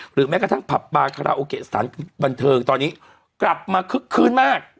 หรือแม้กระทั่งพัปปาคัลโอเกสตังค์บันเทิงตอนนี้กลับมาคืกคืนมาก